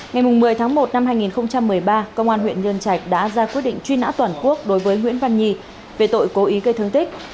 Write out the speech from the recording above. ngày một mươi tháng một năm hai nghìn một mươi ba công an huyện nhân trạch đã ra quyết định truy nã toàn quốc đối với nguyễn văn nhi về tội cố ý gây thương tích